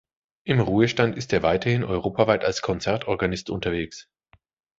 Im Ruhestand ist er weiterhin europaweit als Konzertorganist unterwegs.